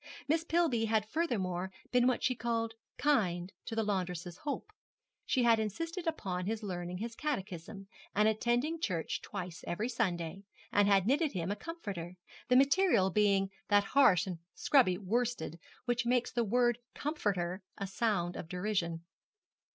Miss Pillby had furthermore been what she called 'kind' to the laundress's hope. She had insisted upon his learning his catechism, and attending church twice every Sunday, and she had knitted him a comforter, the material being that harsh and scrubby worsted which makes the word comforter a sound of derision.